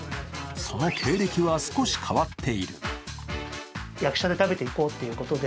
その経歴は、少し変わっている。